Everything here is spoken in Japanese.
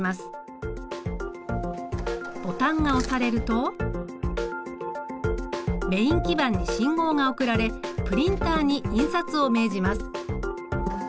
ボタンが押されるとメイン基板に信号が送られプリンターに印刷を命じます。